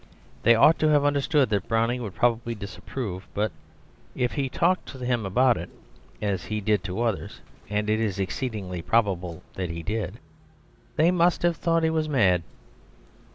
They ought to have understood that Browning would probably disapprove; but if he talked to them about it, as he did to others, and it is exceedingly probable that he did, they must have thought he was mad.